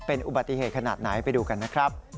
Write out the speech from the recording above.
เป็นอุบัติเหตุขนาดไหนไปดูกันนะครับ